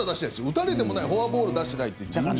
打たれてもないフォアボール出してないって尋常じゃないです。